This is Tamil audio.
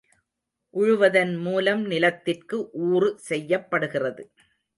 உழுவதன்மூலம் நிலத்திற்கு ஊறு செய்யப்படுகிறது.